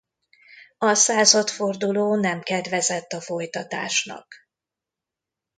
A századforduló nem kedvezett a folytatásnak.